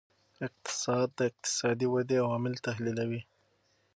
اقتصاد د اقتصادي ودې عوامل تحلیلوي.